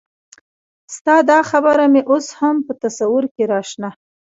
ستا دا خبره مې اوس هم په تصور کې راشنه